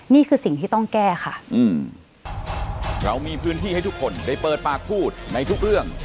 นี่คือสิ่งที่ต้องแก้ค่ะอืมเรามีพื้นที่ให้ทุกคนได้เปิดปากพูดในทุกเรื่อง